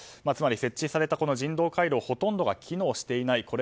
つまり設置された人道回廊ほとんどが機能していない。